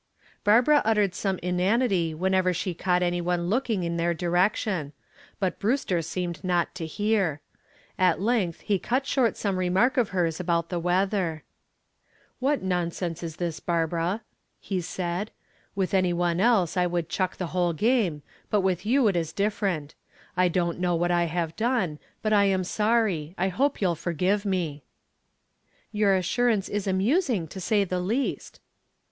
Barbara uttered some inanity whenever she caught any one looking in their direction, but Brewster seemed not to hear. At length he cut short some remark of hers about the weather. "What nonsense this is, Barbara," he said. "With any one else I would chuck the whole game, but with you it is different. I don't know what I have done, but I am sorry. I hope you'll forgive me." "Your assurance is amusing, to say the least."